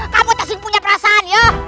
kamu tidak punya perasaan ya